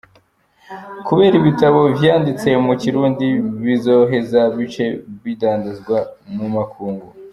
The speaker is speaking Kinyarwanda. Kubera ibitabo vyanditse mu kirundi bizoheza bice bidandazwa mu makungu».